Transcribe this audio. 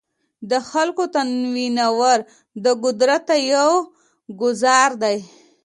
د خلکو تنویرول د قدرت ته یو ګوزار دی.